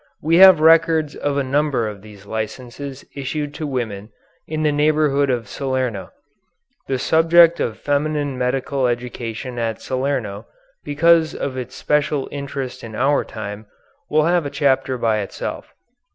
We have records of a number of these licenses issued to women in the neighborhood of Salerno. This subject of feminine medical education at Salerno, because of its special interest in our time, will have a chapter by itself.